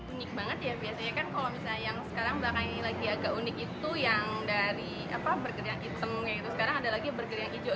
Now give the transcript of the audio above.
unik banget ya biasanya kan kalau misalnya yang sekarang belakang ini lagi agak unik itu yang dari burger yang hitam sekarang ada lagi burger yang hijau